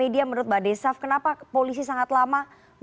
media menurut mbak desaf kenapa polisi sangat lama